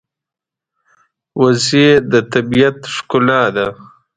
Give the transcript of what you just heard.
وزې د طبیعت ښکلا ده